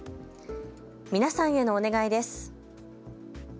皆さんへのお願いです。